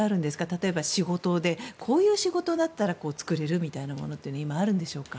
例えば、こういう仕事だったら創出できるというものは今、あるんでしょうか。